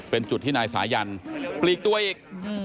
เป็นจุดที่นายสายันปลีกตัวอีก